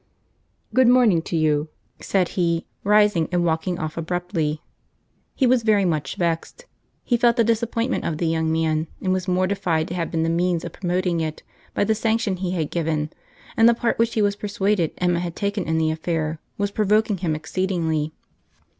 "Good morning to you,"—said he, rising and walking off abruptly. He was very much vexed. He felt the disappointment of the young man, and was mortified to have been the means of promoting it, by the sanction he had given; and the part which he was persuaded Emma had taken in the affair, was provoking him exceedingly.